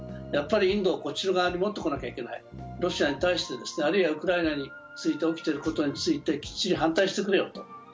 やっぱりインドはこっち側にもっと来ないといけない、ロシアに対して、あるいはウクライナについて起きていることに対してきっちり反対してくれよと。